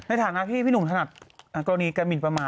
ในฐานะที่พี่หนุ่มถนัดกรณีการหมินประมาท